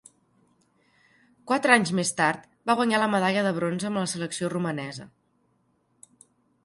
Quatre anys més tard, va guanyar la medalla de bronze amb la selecció romanesa.